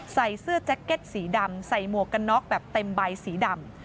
ใส่เสื้อแจ็คเก็ตสีดำใส่หมวกกันน็อกแบบเต็มใบสีดำ